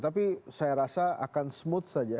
tapi saya rasa akan smooth saja